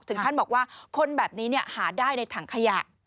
ท่านบอกว่าคนแบบนี้หาได้ในถังขยะ